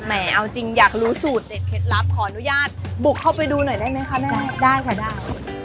เอาจริงอยากรู้สูตรเด็ดเคล็ดลับขออนุญาตบุกเข้าไปดูหน่อยได้ไหมคะแม่ได้ค่ะได้